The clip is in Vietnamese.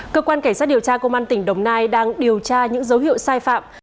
cơ quan cảnh sát điều tra công an tp hcm đang điều tra những dấu hiệu sai phạm